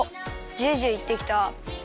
ジュージューいってきた。